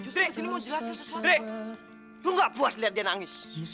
diri diri lo gak puas liat dia nangis